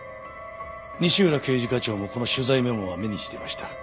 西浦刑事課長もこの取材メモは目にしていました。